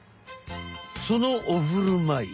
そのおふるまい